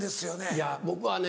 いや僕はね